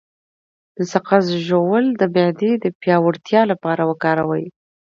د سقز ژوول د معدې د پیاوړتیا لپاره وکاروئ